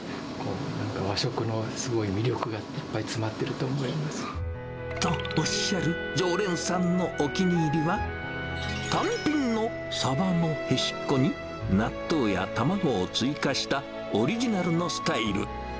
なんか和食のすごい魅力が、いっぱい詰まってると思います。とおっしゃる常連さんのお気に入りは、単品のサバのへしこに、納豆や卵を追加したオリジナルのスタイル。